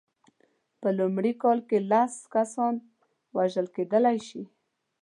په لومړۍ کال کې لس کسان وژل کېدلای شي.